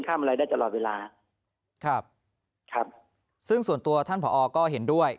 อะไรได้ตลอดเวลาครับครับซึ่งส่วนตัวท่านผอก็เห็นด้วย